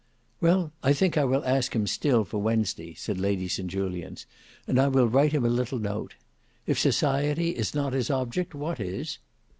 "Well, I think I will ask him still for Wednesday," said Lady St Julians; "and I will write him a little note. If society is not his object, what is?"